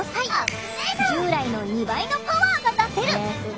従来の２倍のパワーが出せる！